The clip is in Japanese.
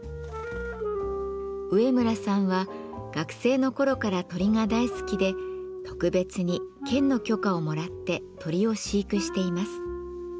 上村さんは学生の頃から鳥が大好きで特別に県の許可をもらって鳥を飼育しています。